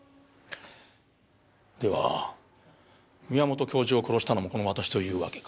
では宮本教授を殺したのもこの私というわけか？